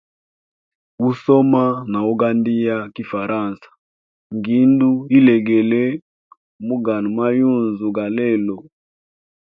Usoma na ugandia kifaransa ngindu ilegele mu gano mayunzu ga lelo.